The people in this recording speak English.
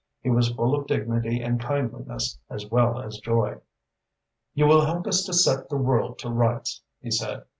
He was full of dignity and kindliness as well as joy. "You will help us to set the world to rights," he said.